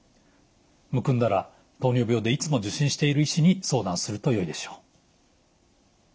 むくんだら糖尿病でいつも受診している医師に相談するとよいでしょう。